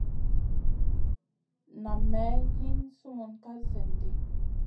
Nam may hin summun kal slèn di.